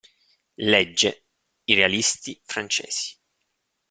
Legge i realisti francesi.